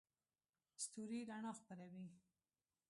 ستوري رڼا خپروي.